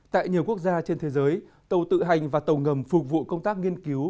tại nhiều quốc gia trên thế giới tàu tự hành và tàu ngầm phục vụ công tác nghiên cứu